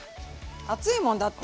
暑いもんだって。